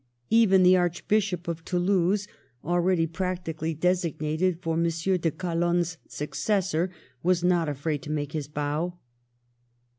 Even the Archbishop of Toulouse, already practically designated for M. de Calonne's successor, was not afraid to make his bow."